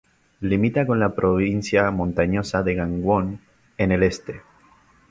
Limita con la provincia montañosa de Gangwon en el este.